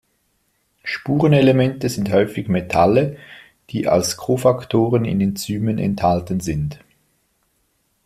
Spurenelemente sind häufig Metalle, die als Cofaktoren in Enzymen enthalten sind.